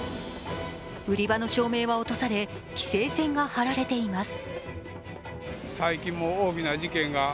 売り場の照明は落とされ規制線が張られています。